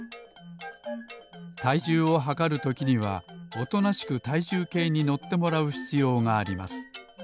じゅうをはかるときにはおとなしくたいじゅうけいにのってもらうひつようがあります。